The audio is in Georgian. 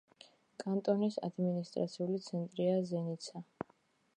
კანტონის ადმინისტრაციული ცენტრია ზენიცა.